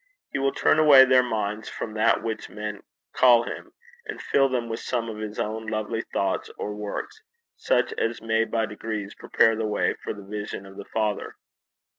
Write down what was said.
He will turn away their minds from that which men call him, and fill them with some of his own lovely thoughts or works, such as may by degrees prepare the way for a vision of the Father.